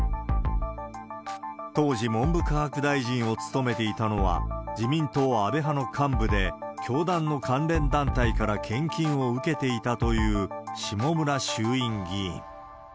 当時、文部科学大臣を務めていたのは、自民党安倍派の幹部で、教団の関連団体から献金を受けていたという下村衆院議員。